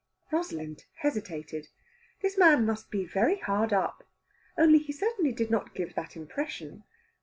Rosalind hesitated. This man must be very hard up, only he certainly did not give that impression.